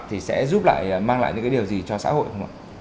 thì sẽ giúp lại mang lại những cái điều gì cho xã hội không ạ